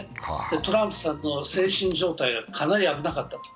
トランプさんの精神状態がかなり危なかった。